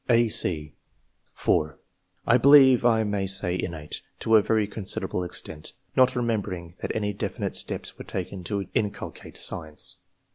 (a, c) (4) " I believe I may say, innate, to a very considerable extent, not remembering that any definite steps were taken to inculcate science.